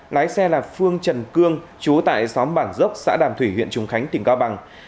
lái xe là phương trần cương chú tại xóm bản dốc xã đàm thủy huyện trùng khánh tỉnh cao bằng